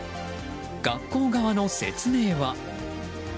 学校側の説明は。